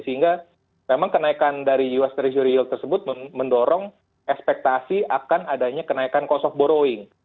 sehingga memang kenaikan dari us treasury yl tersebut mendorong ekspektasi akan adanya kenaikan cost of borrowing